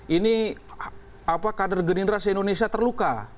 ini kader gerindra se indonesia terluka